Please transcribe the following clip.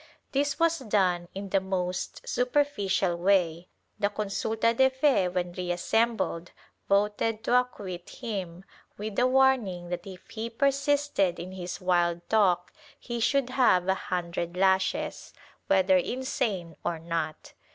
This was done in the most superficial way, the consulta de fe when reassembled voted to acquit him, with a warning that if he persisted in his wild talk he should have a hundred lashes, whether insane or not.